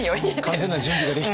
完全な準備ができて。